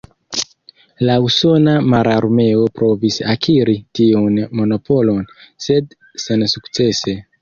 La Usona Mararmeo provis akiri tiun monopolon, sed sensukcese.